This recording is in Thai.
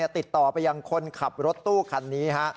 ติดต่อไปยังคนขับรถตู้คันนี้ฮะ